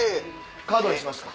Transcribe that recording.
カードにしますか。